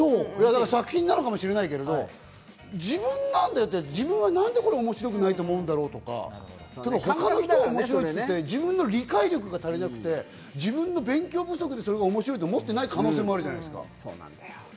作品なのかもしれないけれど、自分は何で、これを面白くないと思うんだろうとか、他の人は面白いと言っていて自分の理解力が足りなくて自分の勉強不足で面白いと思っていない可能性もあるじゃないですか。